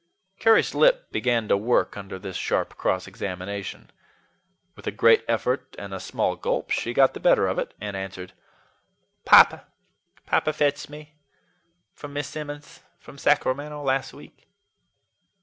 Carry's lip began to work under this sharp cross examination. With a great effort and a small gulp, she got the better of it, and answered: "Papa, Papa fetched me from Miss Simmons from Sacramento, last week."